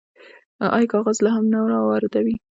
آیا کاغذ لا هم نه واردوي؟